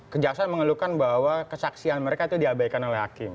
kejaksaan mengeluhkan bahwa kesaksian mereka itu diabaikan oleh hakim